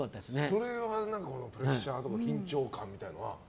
それはプレッシャーとか緊張感みたいなものは？